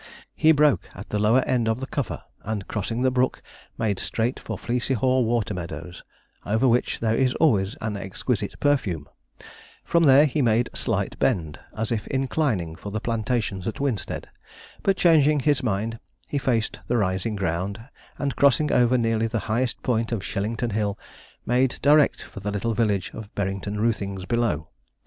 He broke at the lower end of the cover, and crossing the brook, made straight for Fleecyhaugh Water Meadows, over which there is always an exquisite perfume; from there he made a slight bend, as if inclining for the plantations at Winstead, but changing his mind, he faced the rising ground, and crossing over nearly the highest point of Shillington Hill, made direct for the little village of Berrington Roothings below.